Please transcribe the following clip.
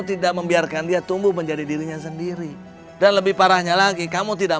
tidak membiarkan dia tumbuh menjadi dirinya sendiri dan lebih parahnya lagi kamu tidak